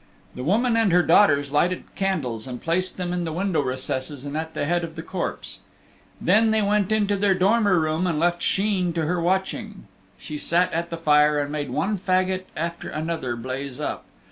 The woman and her daughters lighted candles and placed them in the window recesses and at the head of the corpse. Then they went into their dormer room and left Sheen to her watching. She sat at the fire and made one fagot after another blaze up.